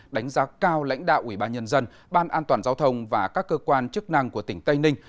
đánh giá cao lãnh đạo ubnd ban an toàn giao thông và các cơ quan chức năng của tỉnh tây ninh